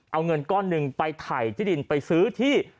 เอาเงินก้อนหนึ่งไปถ่ายที่ดินไปซื้อที่